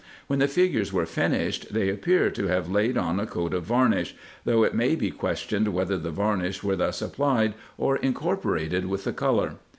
When the figures were finished, they appear to have laid on a coat of varnish ; though it may be questioned, whether the varnish were thus applied, or in corporated with the colour.